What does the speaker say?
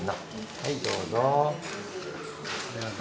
はいどうぞ。